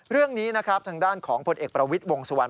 เรื่องนี้นะครับทางด้านของผลเอกประวิทย์วงสุวรร